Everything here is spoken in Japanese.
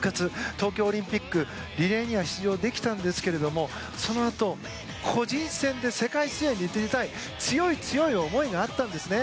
東京オリンピックリレーには出場できたんですがそのあと個人戦で世界水泳に出たい強い強い思いがあったんですね。